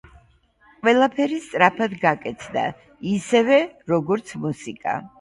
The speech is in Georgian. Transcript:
ყველაფერი სწრაფად გაკეთდა, ისევე, როგორც მუსიკა.